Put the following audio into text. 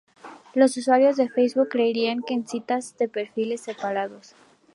Los usuarios de Facebook crearían un perfil de citas separado.